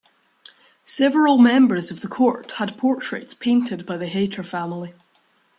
Several members of the court had portraits painted by the Hayter family.